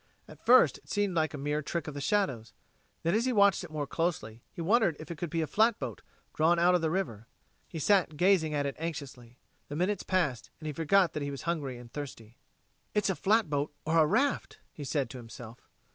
At first it seemed a mere trick of the shadows; then, as he watched it more closely, he wondered if it could be a flatboat, drawn out of the water. He sat gazing at it anxiously. The minutes passed and he forgot that he was hungry and thirsty. "It's a flatboat or a raft," he said to himself.